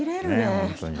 本当に。